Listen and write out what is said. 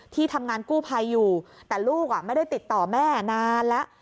ที่ทำงานกู้ภัยอยู่แต่ลูกไม่ได้ติดต่อแม่นานแล้ว